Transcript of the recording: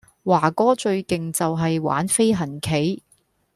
華哥最勁就係玩飛行棋